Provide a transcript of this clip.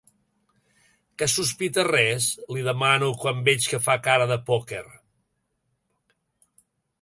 Que sospites res? —li demano quan veig que fa cara de pòquer.